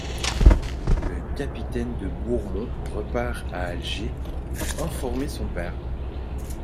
Le capitaine de Bourmont repart à Alger informer son père.